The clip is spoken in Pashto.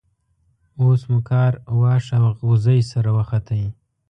اوس مو کار واښ او غوزی سره وختی.